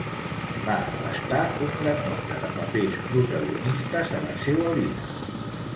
Va abastar un gran nombre de papers protagonistes a la seua vida.